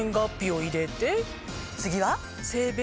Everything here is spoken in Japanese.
次は！